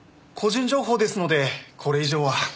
個人情報ですのでこれ以上は。